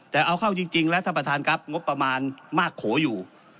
แต่เอาเข้าจริงแล้วท่านประธานครับงบประมาณมากโขอยู่